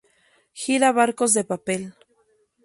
Gira Barcos de papel".